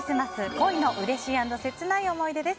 恋のうれしい＆切ない思い出です。